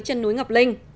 trần núi ngọc linh